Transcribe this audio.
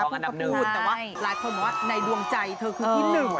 เพื่อนก็พูดแต่ว่าหลายคนบอกว่าในดวงใจเธอคือที่หนึ่ง